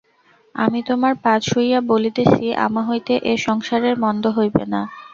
আমি তোমার পা ছুঁইয়া বলিতেছি আমা হইতে এ সংসারের মন্দ হইবে না।